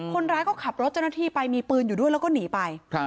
คนร้ายก็ขับรถเจ้าหน้าที่ไปมีปืนอยู่ด้วยแล้วก็หนีไป